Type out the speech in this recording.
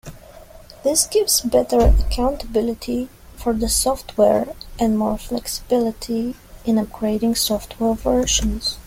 This gives better accountability for the software and more flexibility in upgrading software versions.